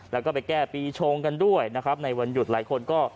แล้วก็ไปแก้ปีชงกันด้วยนะครับในวันหยุดหลายคนก็